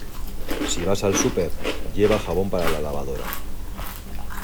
Si vas al súper, lleva jabón para la lavadora.